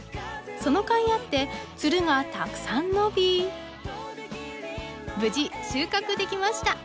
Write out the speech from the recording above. そのかいあってつるがたくさん伸び無事収穫できました！